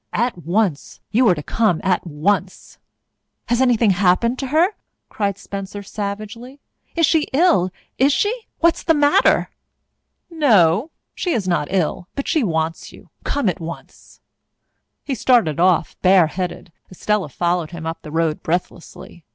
"At once you are to come at once!" "Has anything happened to her?" cried Spencer savagely. "Is she ill is she what is the matter?" "No, she is not ill. But she wants you. Come at once." He started off bareheaded. Estella followed him up the road breathlessly.